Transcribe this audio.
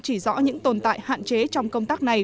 chỉ rõ những tồn tại hạn chế trong công tác này